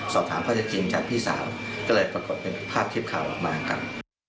สอบศาลก็จะจริงจัดที่๓ก็เลยปรากฏเป็นภาพทิพย์ข่าวออกมากัน